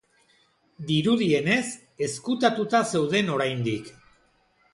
Dirudienez, ezkutatuta zeuden oraindik.